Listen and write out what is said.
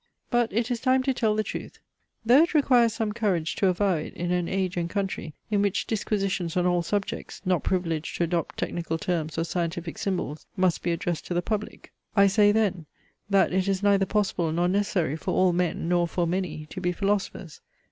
But it is time to tell the truth; though it requires some courage to avow it in an age and country, in which disquisitions on all subjects, not privileged to adopt technical terms or scientific symbols, must be addressed to the Public. I say then, that it is neither possible nor necessary for all men, nor for many, to be philosophers.